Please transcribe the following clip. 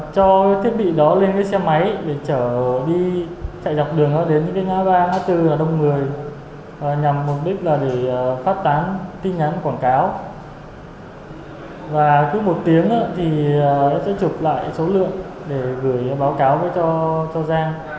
chạy đọc đường đến những ngã tư đông người nhằm phát tán tin nhắn quảng cáo và cứ một tiếng thì sẽ chụp lại số lượng để gửi báo cáo cho giang